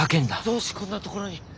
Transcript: どうしてこんなところに。